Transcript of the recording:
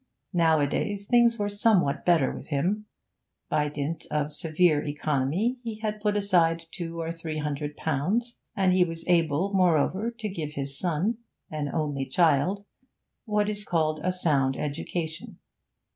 Nowadays things were somewhat better with him; by dint of severe economy he had put aside two or three hundred pounds, and he was able, moreover, to give his son (an only child) what is called a sound education.